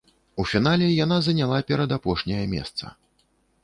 У фінале яна заняла перадапошняе месца.